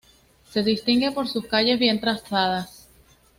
Se distingue por sus calles bien trazadas.